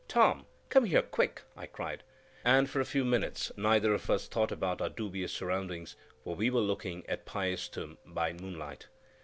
"Tom, come here, quick," I cried; and for a few minutes neither of us thought about our dubious surroundings, for we were looking at Pæstum by moonlight.